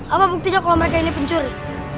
apa buktinya kalau mereka ini pencuri